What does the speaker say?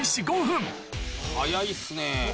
早いっすねぇ。